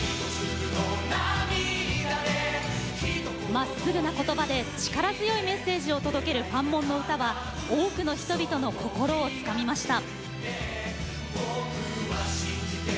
まっすぐな言葉で力強いメッセージを届けるファンモンの歌は多くの人々の心をつかみました。